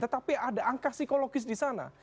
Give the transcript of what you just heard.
tetapi ada angka psikologis di sana